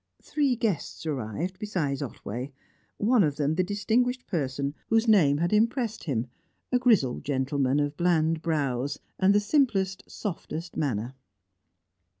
Three guests arrived, besides Otway, one of them the distinguished person whose name had impressed him; a grizzled gentleman, of bland brows, and the simplest, softest manner.